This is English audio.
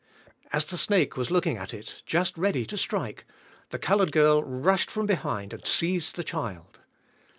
As the snake was looking at it, just ready to strike, the colored g irl rushed from behind and seized the child.